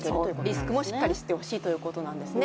リスクもしっかり知ってほしいっていうことなんですね。